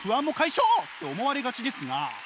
って思われがちですが。